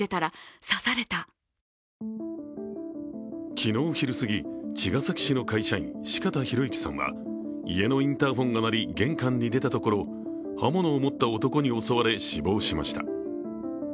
昨日昼過ぎ、茅ヶ崎市の会社員四方洋行さんは家のインターホンが鳴り玄関に出たところ刃物を持った男に襲われ死亡しました。